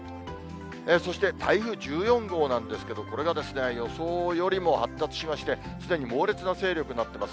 そして台風１４号なんですけど、これがですね、予想よりも発達しまして、すでに猛烈な勢力になってます。